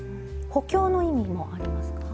補強の意味もありますか？